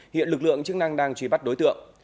hiện lực lượng chức năng đang truy bắt đối tượng